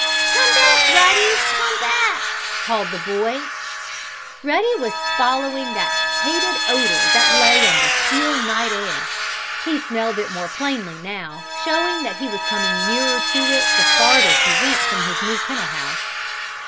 "Come back, Ruddy! Come back!" called the boy. Ruddy was following that hated odor that lay on the still, night air. He smelled it more plainly now, showing that he was coming nearer to it the farther he went from his new kennel house.